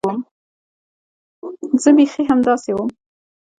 زه بيخي همداسې وم.